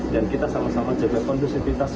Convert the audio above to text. dan kita sama sama jaga kondusivitas